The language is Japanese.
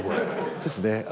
そうっすね。